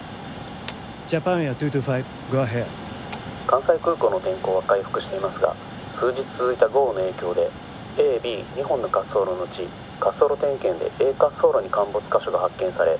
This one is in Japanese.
「関西空港の天候は回復していますが数日続いた豪雨の影響でＡＢ２本の滑走路のうち滑走路点検でＡ滑走路に陥没箇所が発見され